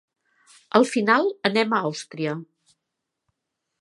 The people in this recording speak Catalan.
Al final anem a Àustria.